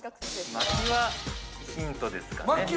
薪はヒントですかね。